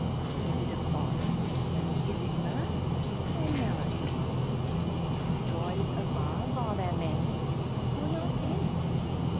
Is it a folly, Is it mirth, or melancholy? Joys above, Are there many, or not any?